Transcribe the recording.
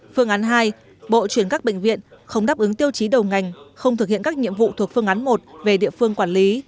phương án hai bộ chuyển các bệnh viện không đáp ứng tiêu chí đầu ngành không thực hiện các nhiệm vụ thuộc phương án một về địa phương quản lý